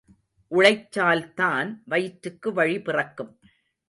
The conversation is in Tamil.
உழைச்சால்தான் வயிற்றுக்கு வழிபிறக்கும்!...